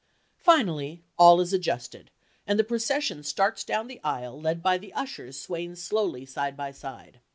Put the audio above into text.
Finally all is adjusted and the procession starts down the aisle led by the ushers swaying slowly side by side.